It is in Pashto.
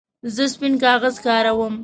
زه سپین کاغذ کاروم.